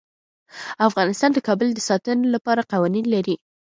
افغانستان د کابل د ساتنې لپاره قوانین لري.